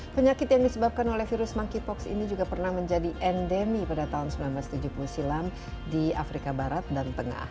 penyakit yang disebabkan oleh virus monkeypox ini juga pernah menjadi endemi pada tahun seribu sembilan ratus tujuh puluh silam di afrika barat dan tengah